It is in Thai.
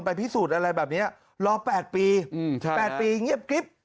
พิสูจน์อะไรแบบนี้รอ๘ปี๘ปีเงียบกริ๊บ